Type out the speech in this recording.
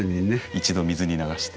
一度水に流して。